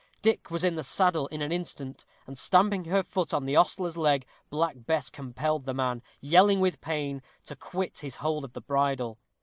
Dick was in the saddle in an instant, and stamping her foot on the ostler's leg, Black Bess compelled the man, yelling with pain, to quit his hold of the bridle.